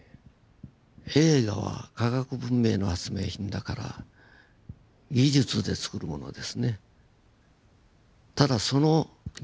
映画は科学文明の発明品だから技術でつくるものですね。